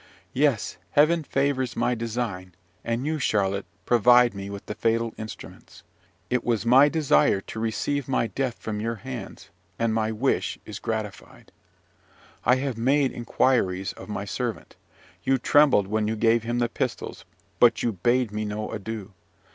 Yes, Heaven favours my design, and you, Charlotte, provide me with the fatal instruments. It was my desire to receive my death from your hands, and my wish is gratified. I have made inquiries of my servant. You trembled when you gave him the pistols, but you bade me no adieu.